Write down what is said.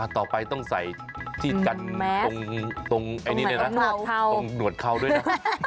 ต่อไปต้องใส่ขั้นตรงตรงไหนนะหนวดเข้าด้วยนะ